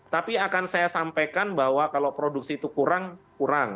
tapi akan saya sampaikan bahwa kalau produksi itu kurang